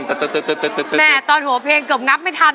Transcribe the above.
เกิบตอนหัวเพลงเกิบงับไม่ทัน